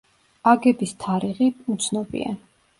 აგების თარიღი უცნობია.